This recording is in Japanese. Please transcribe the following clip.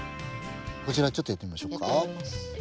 こちらちょっとやってみましょうか。